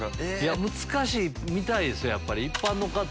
難しいみたいですよやっぱり。